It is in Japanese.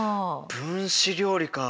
分子料理か。